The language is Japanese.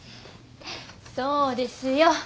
そうですよ。